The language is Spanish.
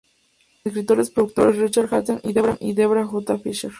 Como escritores productores Richard Hatem y Debra J. Fisher.